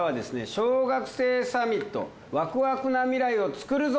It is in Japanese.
小学生サミットワクワクな未来をつくるぞ！